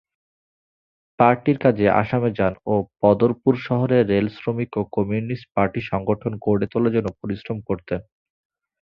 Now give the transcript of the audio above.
পার্টির কাজে আসামে যান ও বদরপুর শহরে রেল শ্রমিক ও কমিউনিস্ট পার্টি সংগঠন গড়ে তোলার জন্যে পরিশ্রম করতেন।